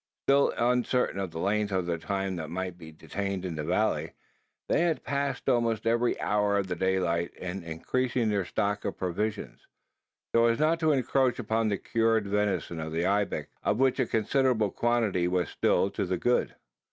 Still uncertain of the length of time they might be detained in the valley, they had passed almost every hour of the daylight in increasing their stock of provisions so as not to encroach upon the cured venison of the ibex, of which a considerable quantity was still to the good.